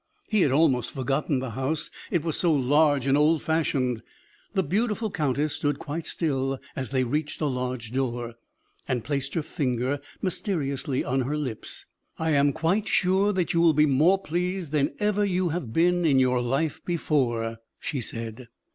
He had almost forgotten the house; it was so large and old fashioned. The beautiful countess stood quite still as they reached a large door, and placed her finger mysteriously on her lips. "I am quite sure that you will be more pleased than ever you have been in your life before," she said.